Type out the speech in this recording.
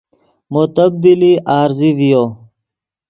مو تبدیلی عارضی ڤیو